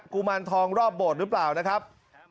ุมารทองรอบโบสถ์หรือเปล่านะครับ